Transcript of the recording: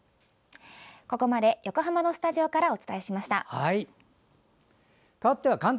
ここまで横浜のスタジオからお伝えしました。